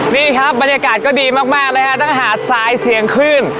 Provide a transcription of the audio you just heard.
นี่ครับบรรยากาศก็ดีมากนะฮะถ้าหาดสายเสียงขึ้น